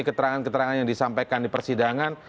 keterangan keterangan yang disampaikan di persidangan